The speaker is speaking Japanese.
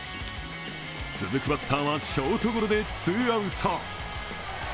続くバッターは、ショートゴロでツーアウト。